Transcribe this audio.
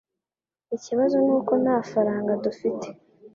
Ikibazo nuko nta faranga dufite